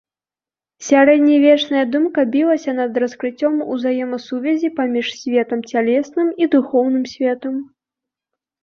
Сярэднявечная думка білася над раскрыццём ўзаемасувязі паміж светам цялесным і духоўным светам.